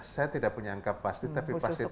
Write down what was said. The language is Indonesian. saya tidak punya angka pasti tapi pasti